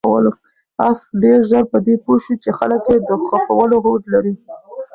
آس ډېر ژر په دې پوه شو چې خلک یې د ښخولو هوډ لري.